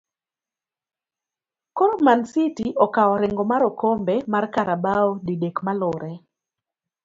koro Mancity okao orengo mar okombe mar Carabao didek maluree